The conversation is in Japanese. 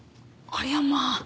ありゃまあ！